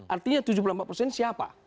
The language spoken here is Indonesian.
artinya tujuh puluh empat persen siapa